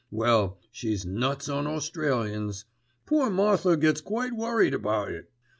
Well, she's nuts on Australians. Poor Martha gets quite worried about it.